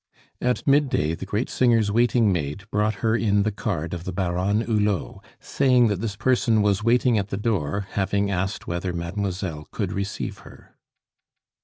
At midday, the great singer's waiting maid brought her in the card of the Baronne Hulot, saying that this person was waiting at the door, having asked whether Mademoiselle could receive her.